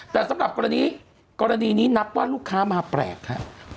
แต่สำหรับกรณีนี้นับว่าลูกค้ามาแปลกครับ